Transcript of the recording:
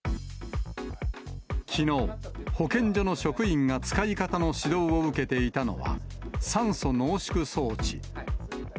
きのう、保健所の職員が使い方の指導を受けていたのは、酸素濃縮装置。